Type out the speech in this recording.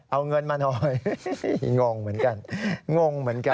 เอาเงินมาหน่อยงงเหมือนกัน